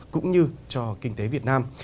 cũng như cho kinh tế việt nam